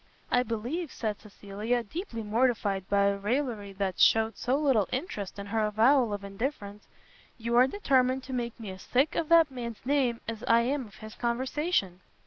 "I believe," said Cecilia, deeply mortified by a raillery that shewed so little interest in her avowal of indifference, "you are determined to make me as sick of that man's name, as I am of his conversation."